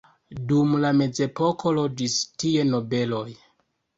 Dum la mezepoko loĝis tie nobeloj.